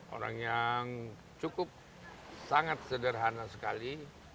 orang yang cukup sangat sederhana sekali